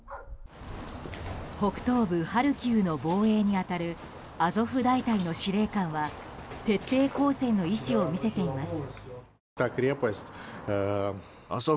北東部ハルキウの防衛に当たるアゾフ大隊の司令官は徹底抗戦の意思を見せています。